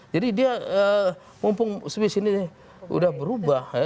jadi dia mumpung swiss ini udah berubah ya